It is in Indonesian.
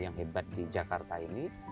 yang hebat di jakarta ini